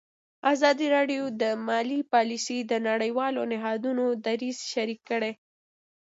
ازادي راډیو د مالي پالیسي د نړیوالو نهادونو دریځ شریک کړی.